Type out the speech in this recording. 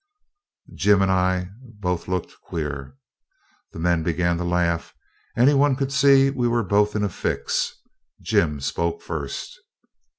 Jim and I both looked queer. The men began to laugh. Any one could see we were both in a fix. Jim spoke first.